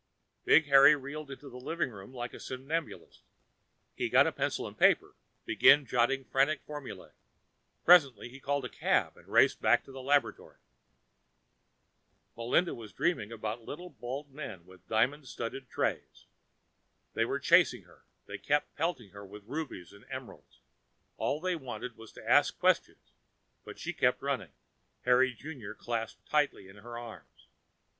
Big Harry reeled into the living room like a somnambulist. He got pencil and paper, began jotting frantic formulae. Presently he called a cab and raced back to the laboratory. Melinda was dreaming about little bald men with diamond studded trays. They were chasing her, they kept pelting her with rubies and emeralds, all they wanted was to ask questions, but she kept running, Harry Junior clasped tightly in her arms.